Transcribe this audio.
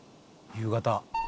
夕方」